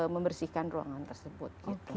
membersihkan ruangan tersebut